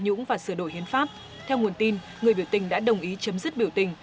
nhũng và sửa đổi hiến pháp theo nguồn tin người biểu tình đã đồng ý chấm dứt biểu tình